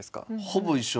ほぼ一緒。